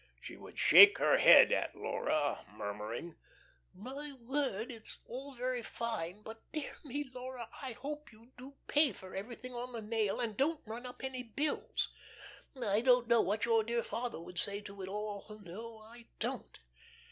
She would shake her head at Laura, murmuring: "My word, it's all very fine, but, dear me, Laura, I hope you do pay for everything on the nail, and don't run up any bills. I don't know what your dear father would say to it all, no, I don't."